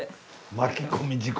巻き込み事故。